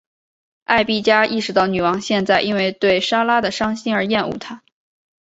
艾碧嘉意识到女王现在因为对莎拉的伤心而厌恶她。